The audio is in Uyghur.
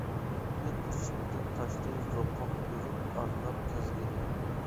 ئىچ-ئىچىمدىن تاشتى زوقۇم يۇرت ئارىلاپ كەزگىلى.